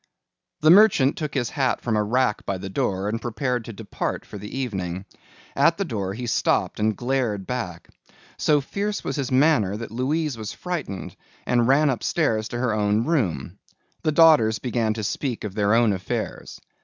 The merchant took his hat from a rack by the door and prepared to depart for the evening. At the door he stopped and glared back. So fierce was his manner that Louise was frightened and ran upstairs to her own room. The daughters began to speak of their own affairs.